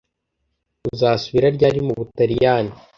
Uzasubira ryari mu Butaliyani